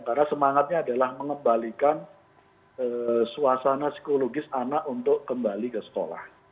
karena semangatnya adalah mengembalikan suasana psikologis anak untuk kembali ke sekolah